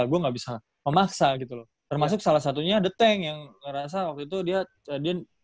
gua nggak bisa memaksa gitu loh termasuk salah satunya ada tank di akar itu dia cabin cabut duluan kan ya loving sebelum liatnya selesai ke konkursen begini